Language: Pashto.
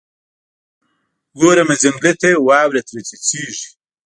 ګورمه ځنګله ته، واوره ترې څڅیږي